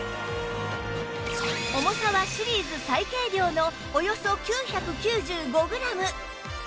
重さはシリーズ最軽量のおよそ９９５グラム